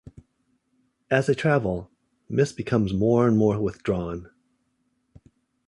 As they travel, Mis becomes more and more withdrawn.